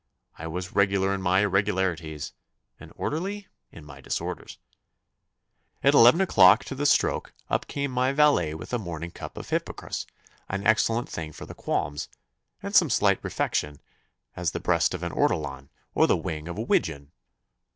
I was regular in my irregularities, and orderly in my disorders. At eleven o'clock to the stroke, up came my valet with the morning cup of hippocras, an excellent thing for the qualms, and some slight refection, as the breast of an ortolan or wing of a widgeon.